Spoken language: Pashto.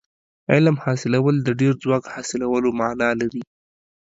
علم حاصلول د ډېر ځواک حاصلولو معنا لري.